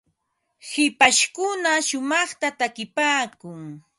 hipashkuna shumaqta takipaakun.